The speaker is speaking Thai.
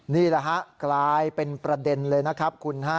นี่แหละฮะกลายเป็นประเด็นเลยนะครับคุณฮะ